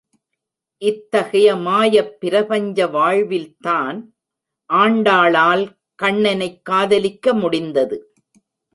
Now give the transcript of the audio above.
இத்தகைய மாயப் பிரபஞ்ச வாழ்வில்தான், ஆண்டாளால் கண்ணனைக் காதலிக்க முடிந்தது.